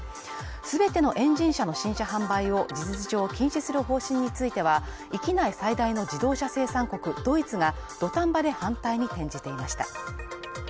全てのエンジン車の新車販売を事実上禁止する方針については、域内最大の自動車生産国ドイツが土壇場で反対に転じていました。